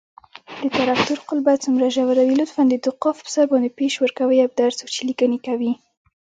د تراکتور قلبه څومره ژوره وي؟